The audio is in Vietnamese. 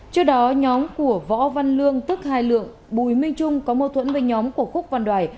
trước đó nhóm của võ văn lương tức hai lượng bùi minh trung có mâu thuẫn với nhóm của khúc văn đoài